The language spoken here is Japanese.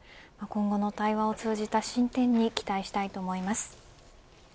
今後の対話を通じた進展に期待したいと思います。